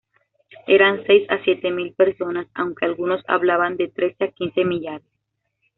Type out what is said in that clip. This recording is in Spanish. Eran seis a siete mil personas, aunque algunos hablan de trece a quince millares.